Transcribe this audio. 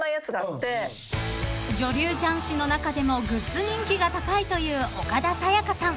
［女流雀士の中でもグッズ人気が高いという岡田紗佳さん］